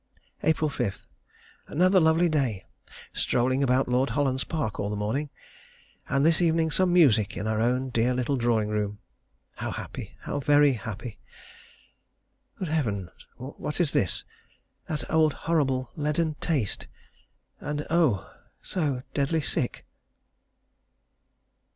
April 5. Another lovely day strolling about Lord Holland's Park all the morning, and this evening some music in our own dear little drawing room. How happy how very happy good Heaven, what is this? That old horrible leaden taste: and oh, so deadly sick....